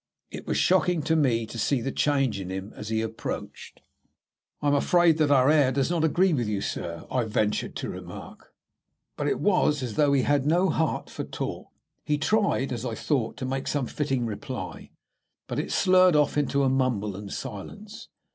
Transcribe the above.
It was shocking to me to see the change in him as he approached. "I am afraid that our air does not agree with you, sir," I ventured to remark. But it was as though he had no heart for talk. He tried, as I thought, to make some fitting reply, but it slurred off into a mumble and silence.